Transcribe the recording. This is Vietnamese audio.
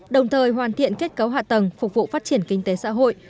đồng thời hoàn thiện kết cấu hạ tầng phục vụ phát triển kinh tế xã hội